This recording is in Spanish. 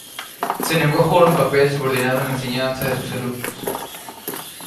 Se negó a jugar un papel subordinado en la enseñanza de sus alumnos.